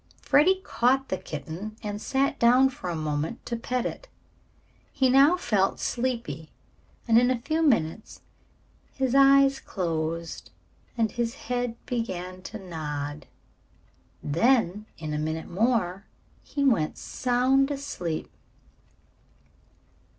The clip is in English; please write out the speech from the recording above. Freddie caught the kitten and sat down for a moment to pet it. He now felt sleepy and in a few minutes his eyes closed and his head began to nod. Then in a minute more he went sound asleep.